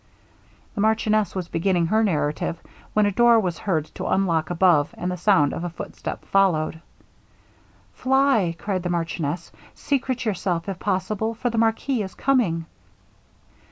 The marchioness was beginning her narrative, when a door was heard to unlock above, and the sound of a footstep followed. 'Fly!' cried the marchioness, 'secret yourself, if possible, for the marquis is coming.'